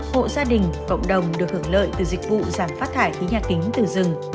hộ gia đình cộng đồng được hưởng lợi từ dịch vụ giảm phát thải khí nhà kính từ rừng